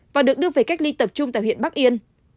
và được đưa về cách ly tập trung tại huyện bắc yên